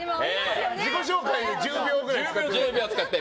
自己紹介で１０秒ぐらい使って。